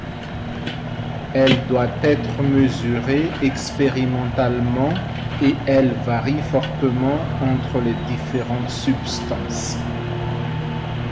Elle doit être mesurée expérimentalement et elle varie fortement entre les différentes substances.